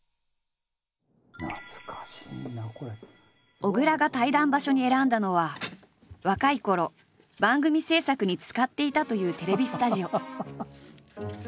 小倉が対談場所に選んだのは若いころ番組制作に使っていたというテレビスタジオ。